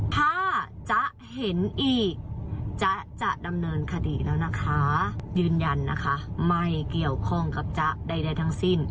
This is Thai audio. ถ้าจ๊ะเห็นอีกจ๊ะจะดำเนินคดีแล้วนะคะยืนยันนะคะไม่เกี่ยวข้องกับจ๊ะใดทั้งสิ้น